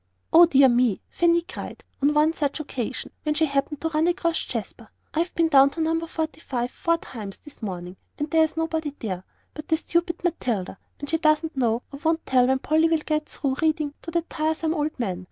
"O dear me!" Fanny cried, on one such occasion, when she happened to run across Jasper. "I've been down to No. 45 four times this morning, and there's nobody there but that stupid Matilda, and she doesn't know or won't tell when Polly will get through reading to that tiresome old man.